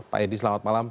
pak eddy selamat malam